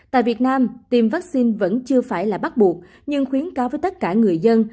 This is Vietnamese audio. tại việt nam tiêm vaccine vẫn chưa phải là bắt buộc nhưng khuyến cáo với tất cả người dân